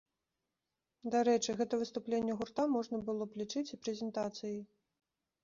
Дарэчы, гэта выступленне гурта можна было б лічыць і прэзентацыяй.